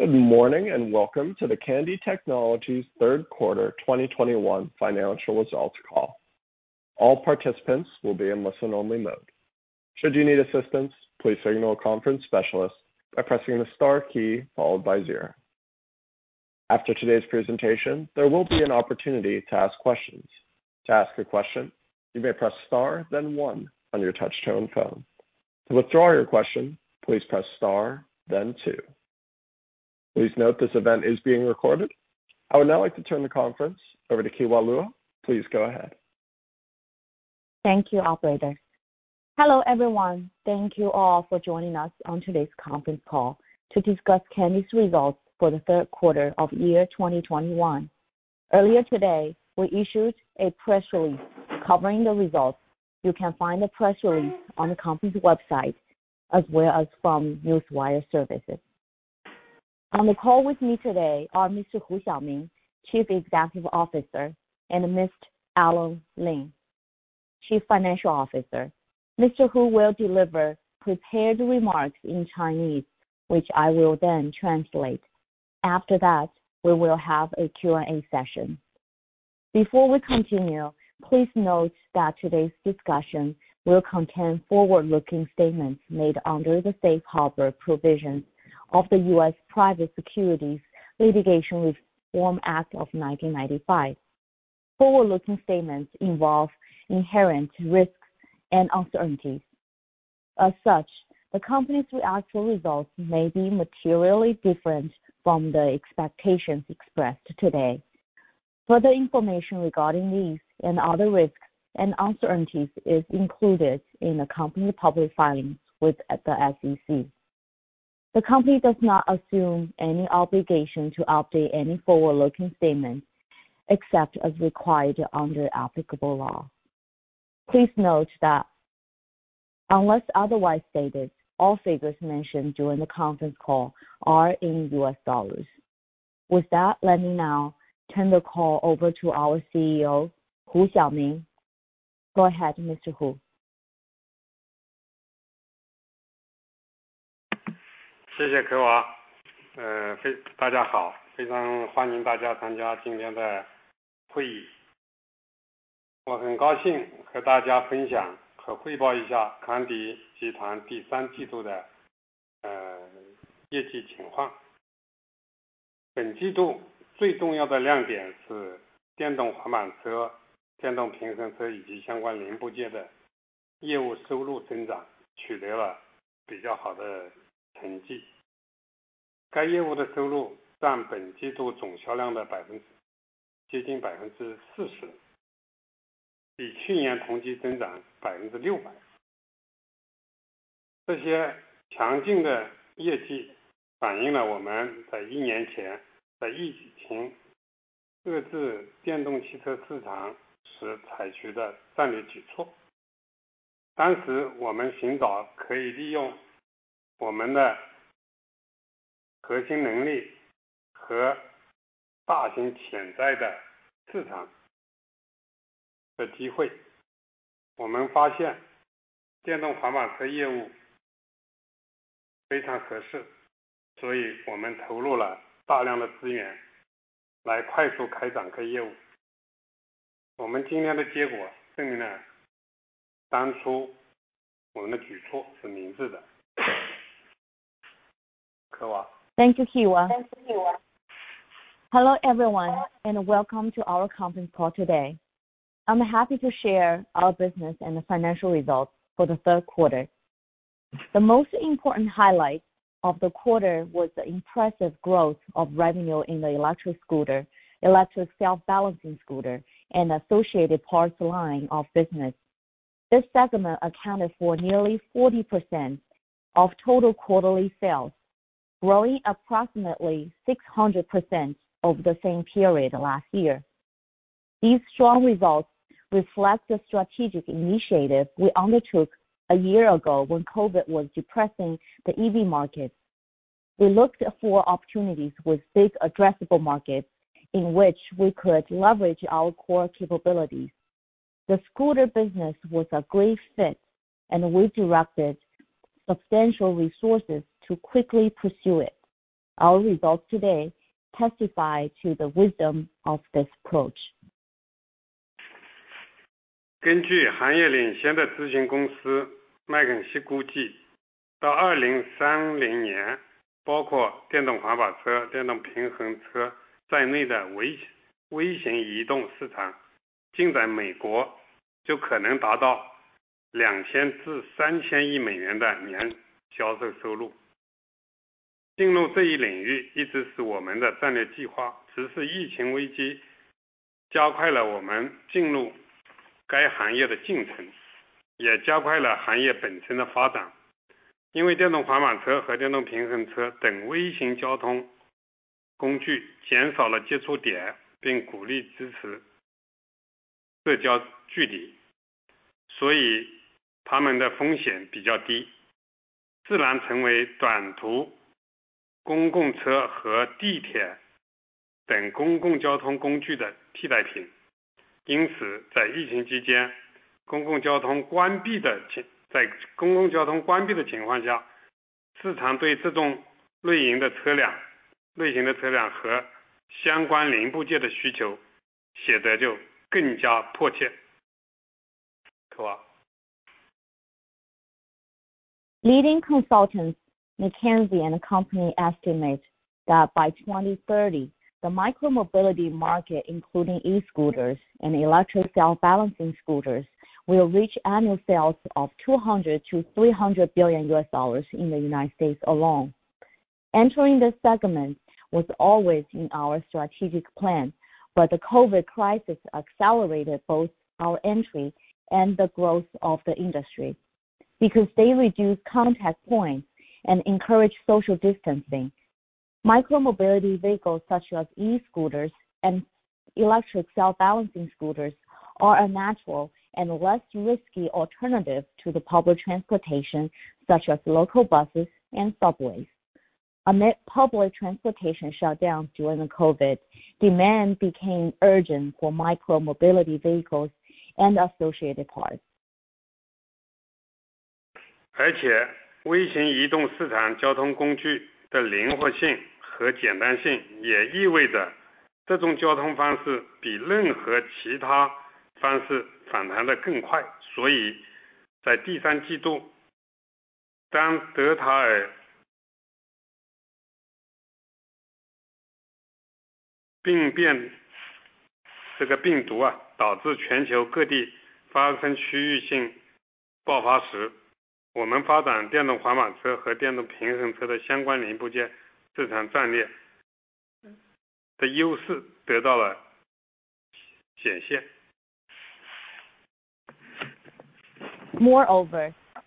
Good morning and welcome to the Kandi Technologies Group's third quarter 2021 financial results call. All participants will be in listen-only mode. Should you need assistance, please signal a conference specialist by pressing the star key followed by zero. After today's presentation, there will be an opportunity to ask questions. To ask a question, you may press star then one on your touch-tone phone. To withdraw your question, please press star then two. Please note this event is being recorded. I would now like to turn the conference over to Kewa Luo. Please go ahead. Thank you, operator. Hello everyone. Thank you all for joining us on today's conference call to discuss Kandi's results for the third quarter of 2021. Earlier today, we issued a press release covering the results. You can find the press release on the company's website as well as from newswire services. On the call with me today are Mr. Hu Xiaoming, Chief Executive Officer, and Mr. Alan Lim, Chief Financial Officer. Mr. Hu will deliver prepared remarks in Chinese, which I will then translate. After that, we will have a Q&A session. Before we continue, please note that today's discussion will contain forward-looking statements made under the safe harbor provisions of the U.S. Private Securities Litigation Reform Act of 1995. Forward-looking statements involve inherent risks and uncertainties. As such, the company's actual results may be materially different from the expectations expressed today. Further information regarding these and other risks and uncertainties is included in the company public filings with the SEC. The company does not assume any obligation to update any forward-looking statements except as required under applicable law. Please note that unless otherwise stated, all figures mentioned during the conference call are in U.S. dollars. With that, let me now turn the call over to our CEO, Hu Xiaoming. Go ahead, Mr. Hu.谢谢Kiwa Non English language. Thank you, Kewa. Hello everyone, and welcome to our conference call today. I'm happy to share our business and the financial results for the third quarter. The most important highlight of the quarter was the impressive growth of revenue in the electric scooter, electric self-balancing scooter and associated parts line of business. This segment accounted for nearly 40% of total quarterly sales, growing approximately 600% over the same period last year. These strong results reflect the strategic initiative we undertook a year ago when COVID was depressing the EV market. We looked for opportunities with big addressable markets in which we could leverage our core capabilities. The scooter business was a great fit, and we directed substantial resources to quickly pursue it. Our results today testify to the wisdom of this approach. Non English Language. Leading consultants McKinsey & Company estimates that by 2030, the micromobility market, including e-scooters and electric self-balancing scooters, will reach annual sales of $200 billion-$300 billion in the United States alone. Entering this segment was always in our strategic plan, but the COVID crisis accelerated both our entry and the growth of the industry. Because they reduce contact points and encourage social distancing, micromobility vehicles such as e-scooters and electric self-balancing scooters are a natural and less risky alternative to the public transportation such as local buses and subways. Amid public transportation shutdown during the COVID, demand became urgent for micromobility vehicles and associated parts. Non English Language. Moreover,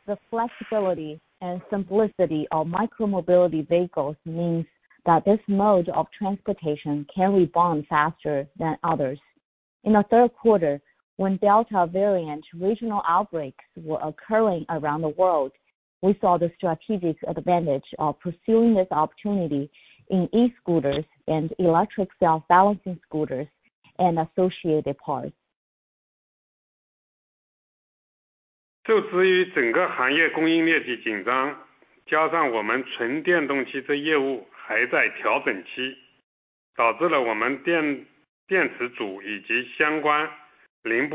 the flexibility and simplicity of micromobility vehicles means that this mode of transportation can rebound faster than others. In the third quarter, when Delta variant regional outbreaks were occurring around the world, we saw the strategic advantage of pursuing this opportunity in e-scooters and electric self-balancing scooters and associated parts. Non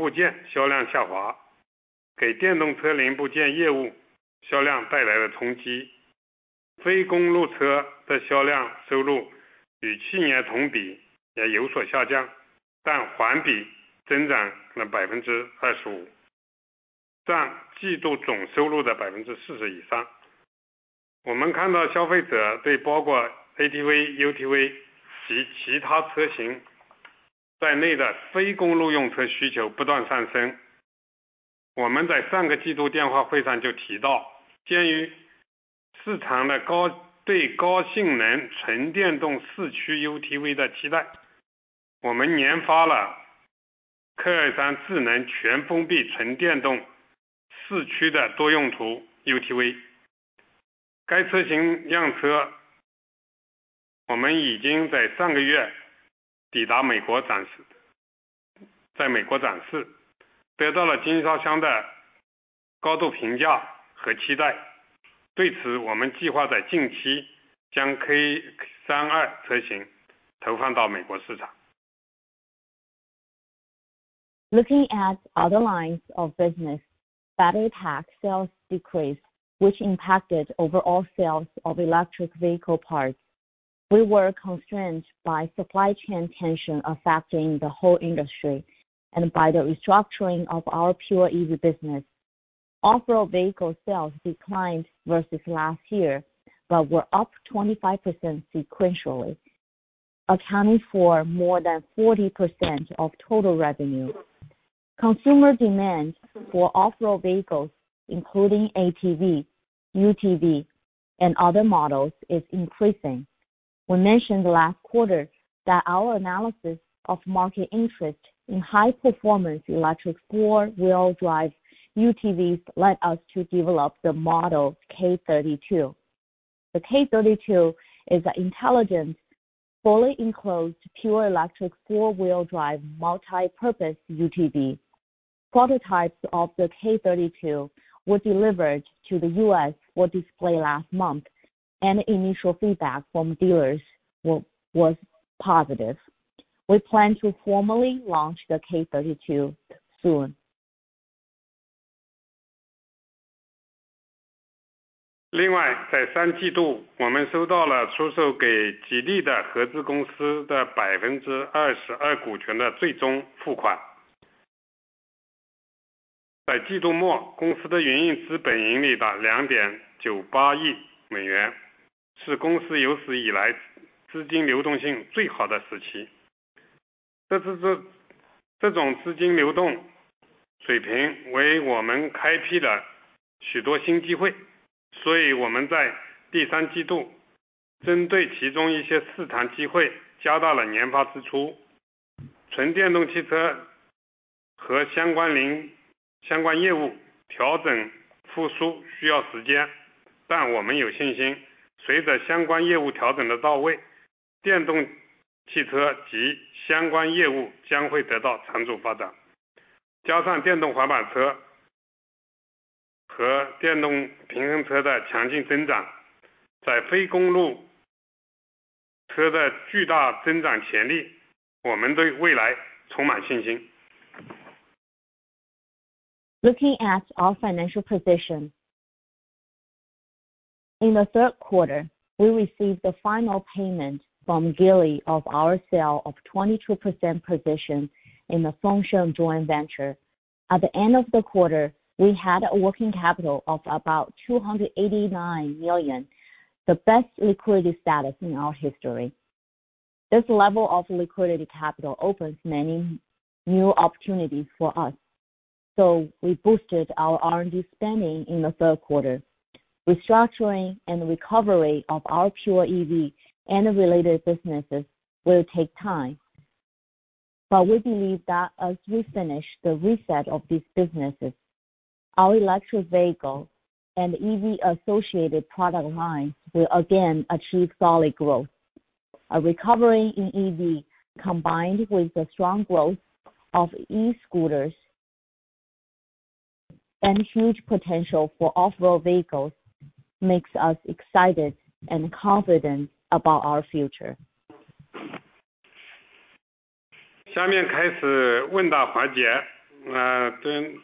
English Language. Looking at other lines of business. Battery pack sales decreased, which impacted overall sales of electric vehicle parts. We were constrained by supply chain tension affecting the whole industry and by the restructuring of our pure EV business. Off-road vehicle sales declined versus last year, but were up 25% sequentially, accounting for more than 40% of total revenue. Consumer demand for off-road vehicles, including ATV, UTV, and other models, is increasing. We mentioned last quarter that our analysis of market interest in high-performance electric four-wheel drive UTVs led us to develop the model K32. The K32 is an intelligent, fully enclosed, pure electric, four-wheel drive, multipurpose UTV. Prototypes of the K32 were delivered to the U.S. for display last month, and initial feedback from dealers was positive. We plan to formally launch the K32 soon. Non English Language. Looking at our financial position. In the third quarter, we received the final payment from Geely of our sale of 22% position in the Fengxing joint venture. At the end of the quarter, we had a working capital of about $289 million. The best liquidity status in our history. This level of liquidity capital opens many new opportunities for us, so we boosted our R&D spending in the third quarter. Restructuring and recovery of our pure EV and related businesses will take time, but we believe that as we finish the reset of these businesses, our electric vehicle and EV associated product lines will again achieve solid growth. A recovery in EV combined with the strong growth of e-scooters and huge potential for off-road vehicles makes us excited and confident about our future. Non English Language. Let's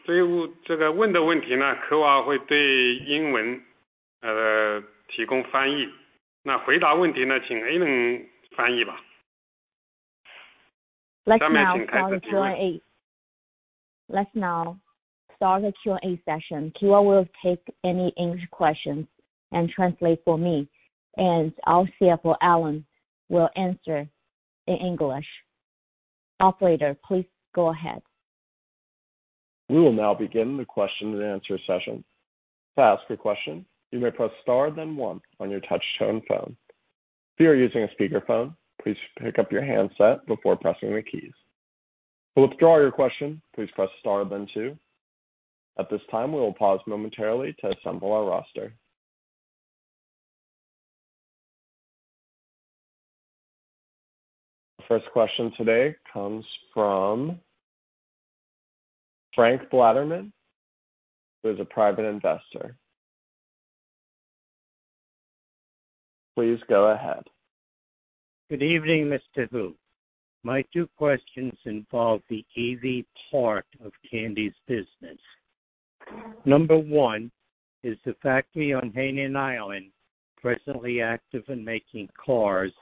now- Non English Language. Let's now start the Q&A session. Kewa will take any English questions and translate for me, and our CFO Alan will answer in English. Operator, please go ahead. We will now begin the question-and-answer session. To ask a question, you may press star then one on your touchtone phone. If you are using a speakerphone, please pick up your handset before pressing the keys. To withdraw your question, please press star then two. At this time, we will pause momentarily to assemble our roster. First question today comes from Frank Blatterman who is a Private Investor. Please go ahead. Good evening, Mr. Hu. My two questions involve the EV part of Kandi's business. Number one, is the factory on Hainan Island presently active in making cars?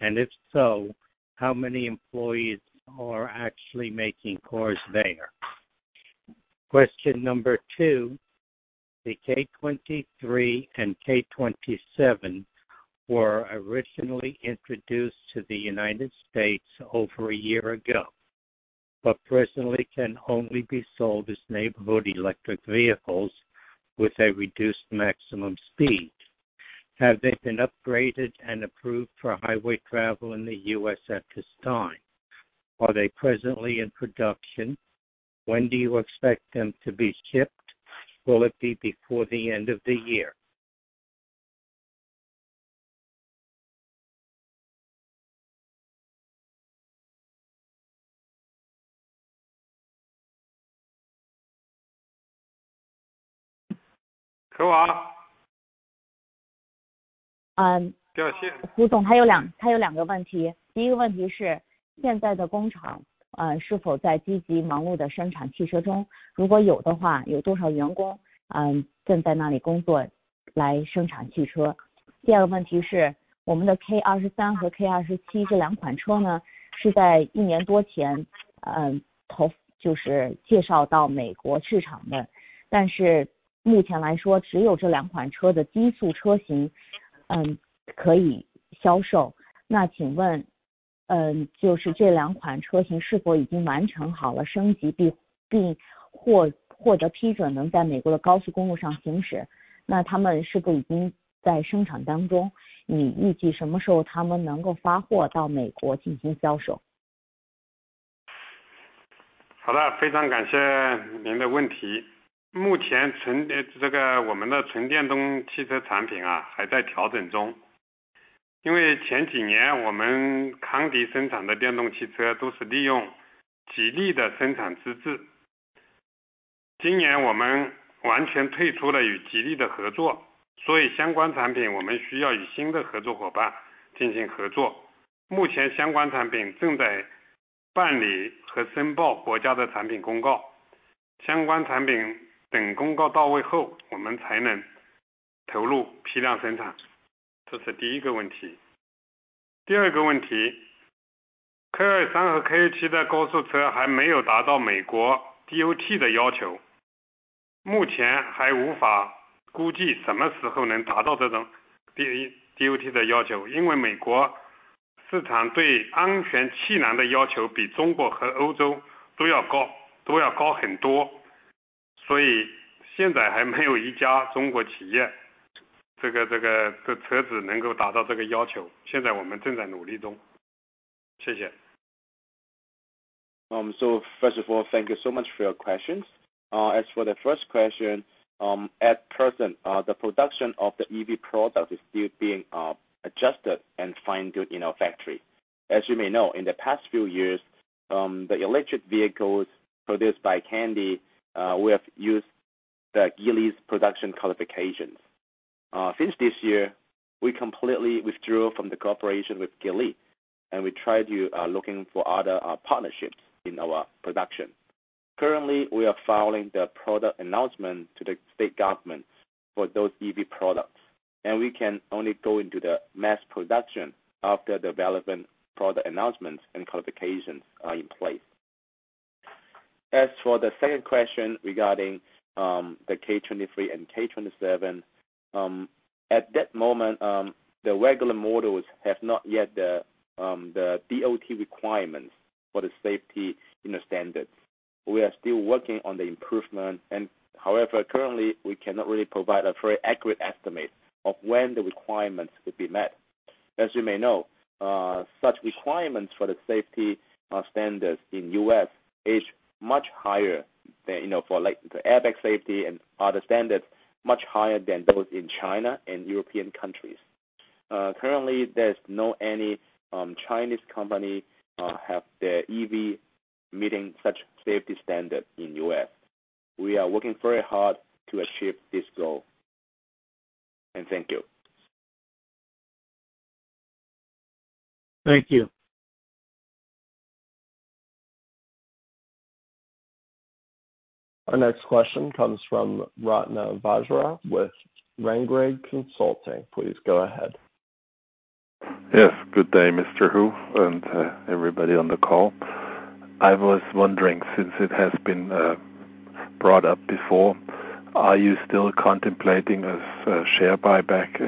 If so, how many employees are actually making cars there? Question number two, the K23 and K27 were originally introduced to the United States over a year ago, but presently can only be sold as neighborhood electric vehicles with a reduced maximum speed. Have they been upgraded and approved for highway travel in the U.S. at this time? Are they presently in production? When do you expect them to be shipped? Will it be before the end of the year? Non English Language. Mm-hmm. Non English Language First of all, thank you so much for your questions. As for the first question, at present, the production of the EV product is still being adjusted and fine-tuned in our factory. As you may know, in the past few years, the electric vehicles produced by Kandi, we have used the Geely's production qualifications. Since this year, we completely withdrew from the cooperation with Geely, and we tried to looking for other partnerships in our production. Currently, we are filing the product announcement to the state government for those EV products, and we can only go into the mass production after development product announcements and qualifications are in place. As for the second question regarding the K23 and K27, at that moment, the regular models have not yet met the DOT requirements for the safety, you know, standards. We are still working on the improvement and however, currently, we cannot really provide a very accurate estimate of when the requirements could be met. As you may know, such requirements for the safety standards in U.S. is much higher than, you know, for like the airbag safety and other standards, much higher than those in China and European countries. Currently there's no any Chinese company have the EV meeting such safety standard in U.S. We are working very hard to achieve this goal. Thank you. Thank you. Our next question comes from Ratna Bajra with Rangrig Consulting. Please go ahead. Yes. Good day, Mr. Hu, and everybody on the call. I was wondering, since it has been brought up before, are you still contemplating a share buyback?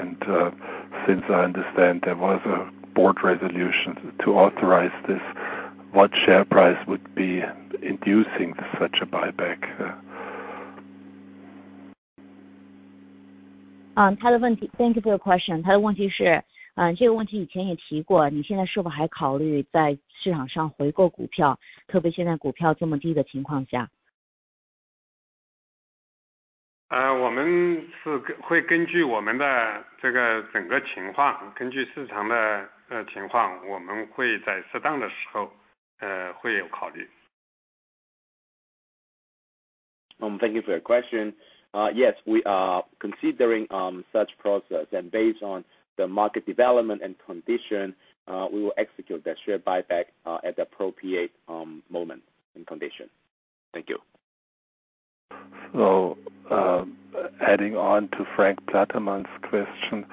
Since I understand there was a board resolution to authorize this, what share price would be inducing such a buyback? Non English Language. Non English Language. Thank you for your question. Yes, we are considering such process and based on the market development and condition, we will execute the share buyback at the appropriate moment and condition. Thank you. Adding on to Frank Blatterman's question,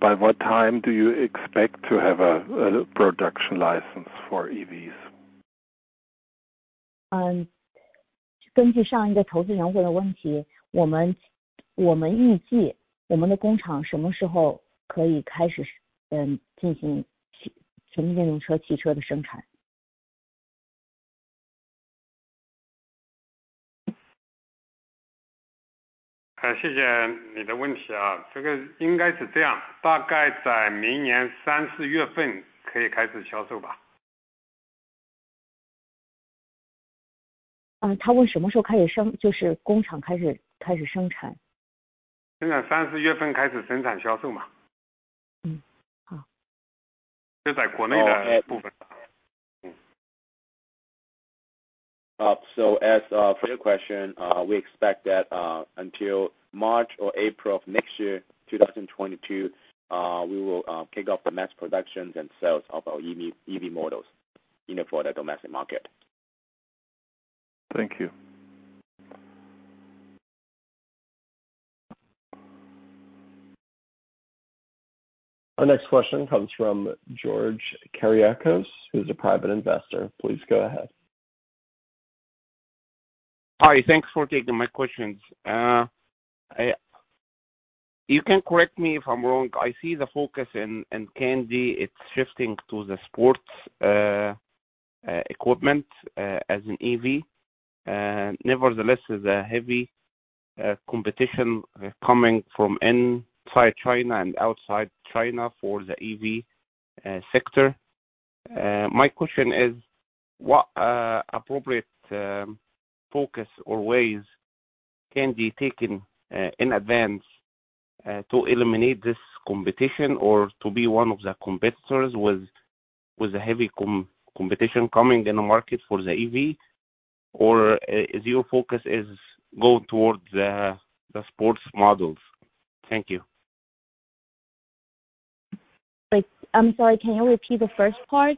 by what time do you expect to have a production license for EVs? Non English Language. Non English Language. Non English Language. Non English Language. Non English Language. Non English Language. For your question, we expect that until March or April of next year, 2022, we will kick off the mass productions and sales of our EV models for the domestic market. Thank you. Our next question comes from George Keriakos, who's a private investor. Please go ahead. Hi. Thanks for taking my questions. You can correct me if I'm wrong. I see the focus in Kandi, it's shifting to the sports equipment as in EV. Nevertheless, with the heavy competition coming from inside China and outside China for the EV sector. My question is, what appropriate focus or ways can be taken in advance to eliminate this competition or to be one of the competitors with the heavy competition coming in the market for the EV? Or, is your focus go towards the sports models? Thank you. Like, I'm sorry, can you repeat the first part?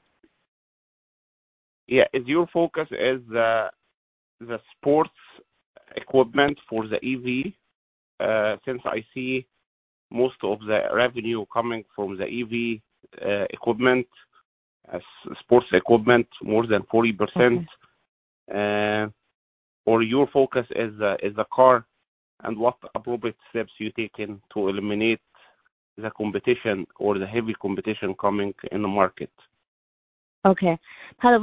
Is your focus the sports equipment for the EV? Since I see most of the revenue coming from the EV equipment, sports equipment more than 40%. Or your focus is the car, and what appropriate steps you taking to eliminate the competition or the heavy competition coming in the market? Non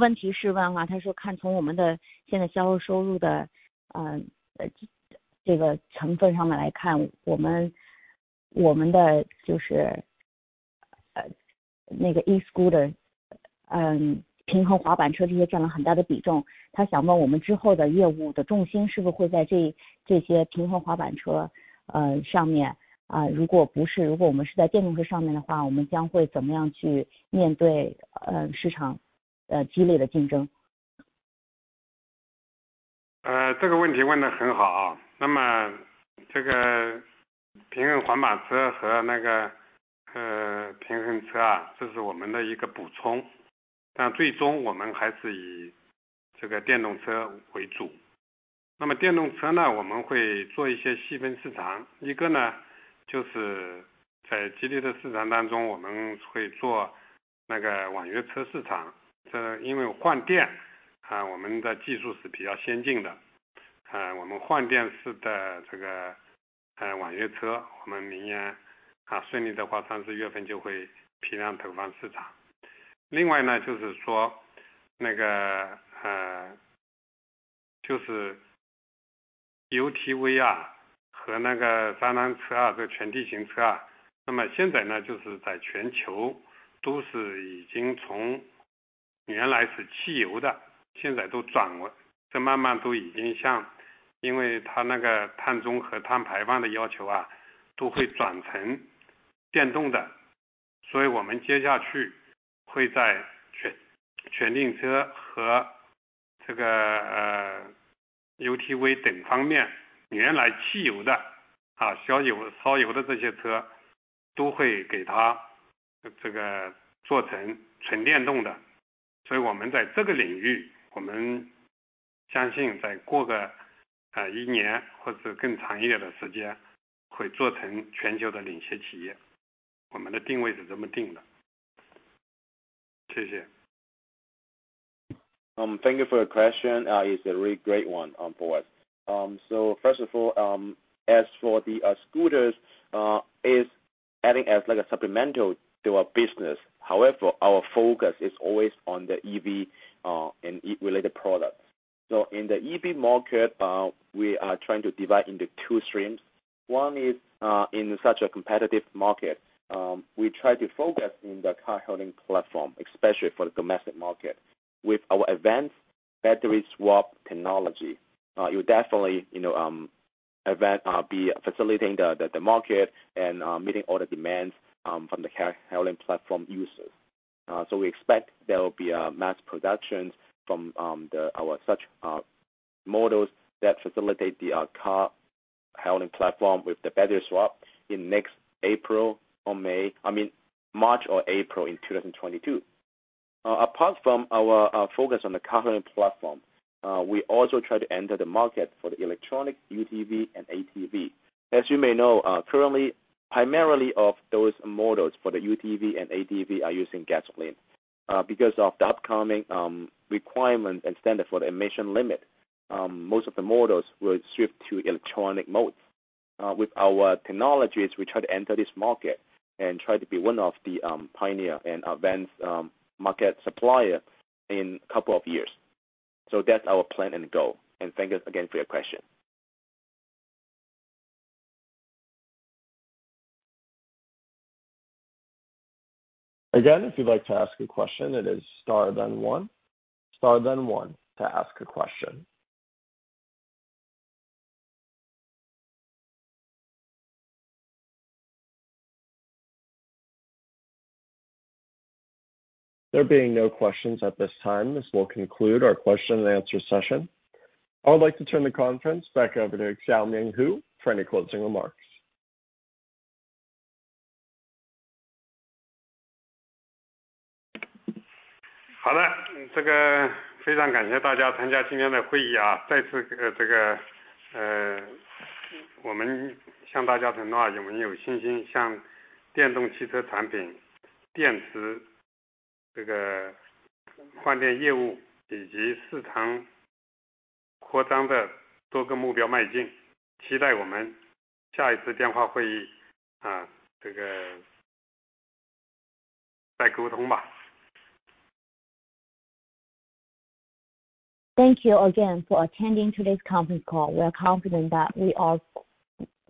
English Language. Non English Language. Thank you for your question, it's a really great one on board. First of all, as for the scooters is adding as like a supplemental to our business. However, our focus is always on the EV and EV-related products. In the EV market, we are trying to divide into two streams. One is in such a competitive market we try to focus on the car-hailing platform, especially for the domestic market with our advanced battery swap technology. You definitely know it will be facilitating the market and meeting all the demands from the car-hailing platform users. We expect there will be mass production from our such models that facilitate the car-hailing platform with the battery swap in March or April 2022. Apart from our focus on the car-hailing platform, we also try to enter the market for the electric UTV and ATV. As you may know, currently primarily those models for the UTV and ATV are using gasoline because of the upcoming requirement and standard for the emission limit, most of the models will shift to electric modes. With our technologies, we try to enter this market and try to be one of the pioneer and advanced market supplier in a couple of years. That's our plan and goal. Thank you again for your question. Again, if you'd like to ask a question, it is star, then one. Star, then one to ask a question. There being no questions at this time, this will conclude our question and answer session. I would like to turn the conference back over to Xiao Ming Hu for any closing remarks. Non English Language. Thank you again for attending today's conference call. We are confident that we are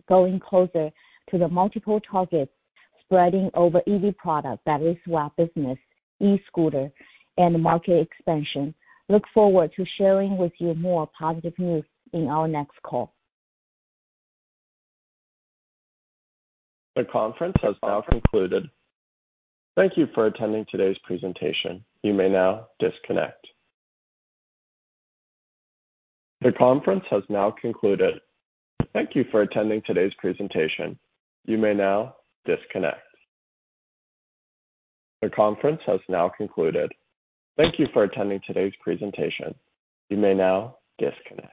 getting closer to the multiple targets spanning over EV product, battery swap business, E-scooter and market expansion. We look forward to sharing with you more positive news in our next call. The conference has now concluded. Thank you for attending today's presentation. You may now disconnect. The conference has now concluded. Thank you for attending today's presentation. You may now disconnect. The conference has now concluded. Thank you for attending today's presentation. You may now disconnect。